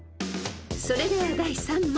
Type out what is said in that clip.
［それでは第３問］